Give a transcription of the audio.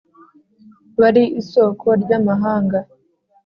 wari isoko ry’amahanga.